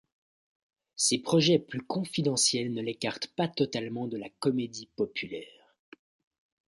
Ces projets plus confidentiels ne l'écartent pas totalement de la comédie populaire.